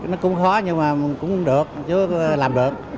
nó cũng khó nhưng mà cũng được chứ làm được